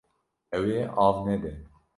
Ew ê av nede.